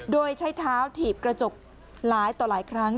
โดยใช้เท้าถีบกระจกหลายต่อหลายครั้ง